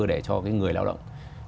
để cho cái người lao động